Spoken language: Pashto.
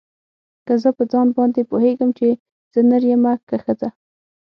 که زه په ځان باندې پوهېږم چې زه نر يمه که ښځه.